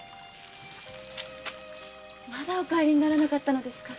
まだお帰りにならなかったのですか？